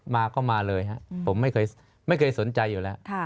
มาก็มาเลยครับผมไม่เคยสนใจอยู่แล้ว